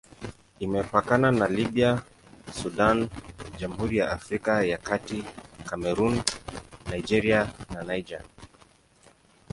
Imepakana na Libya, Sudan, Jamhuri ya Afrika ya Kati, Kamerun, Nigeria na Niger.